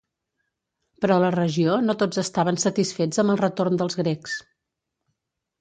Però a la regió no tots estaven satisfets amb el retorn dels Grecs.